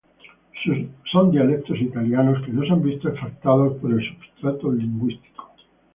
Son dialectos italianos que no se han visto afectados por el substrato lingüístico.